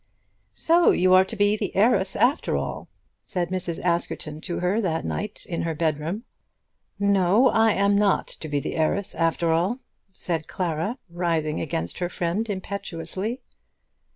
"So you are to be the heiress after all," said Mrs. Askerton to her that night in her bedroom. "No; I am not to be the heiress after all," said Clara, rising against her friend impetuously.